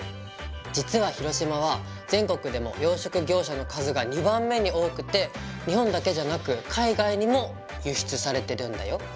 実は広島は全国でも養殖業者の数が２番目に多くて日本だけじゃなく海外にも輸出されてるんだよ。